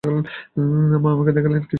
মা আমাকে দেখলেন, কিছুই বললেন না।